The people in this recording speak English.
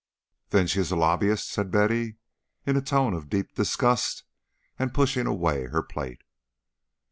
"Then she is a lobbyist," said Betty, in a tone of deep disgust, and pushing away her plate.